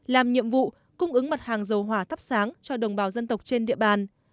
làm nhiệm vụ cung ứng mặt hàng dầu hỏa thắp sáng cho đồng bào dân tộc trên địa bàn